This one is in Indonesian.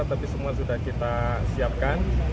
tapi semua sudah kita siapkan